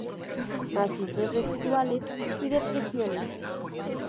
Macizos residuales y depresiones.